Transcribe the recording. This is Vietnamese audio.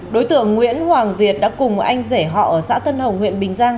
đối tượng nguyễn hoàng việt đã cùng anh rể họ ở xã tân hồng huyện bình giang